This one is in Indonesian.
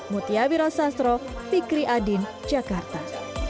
mutia biro sastro fikri adin jakarta